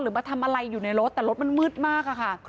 มาทำอะไรอยู่ในรถแต่รถมันมืดมากอะค่ะ